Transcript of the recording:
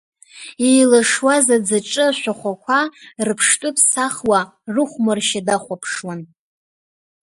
Еилашуаз аӡаҿы ашәахәақәа, рыԥштәы ԥсахуа, рыхәмаршьа дахәаԥшуан.